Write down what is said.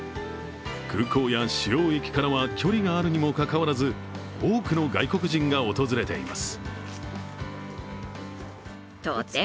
空港や主要駅からは距離があるにもかかわらず多くの外国人が訪れています。